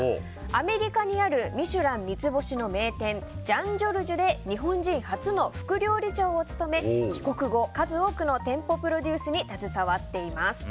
アメリカにある「ミシュラン」三つ星の名店ジャン・ジョルジュで日本人初の副料理長を務め帰国後数多くの店舗プロデュースに携わっています。